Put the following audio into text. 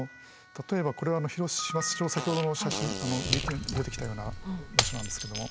例えばこれは広島先ほどの写真ＶＴＲに出てきたような場所なんですけども。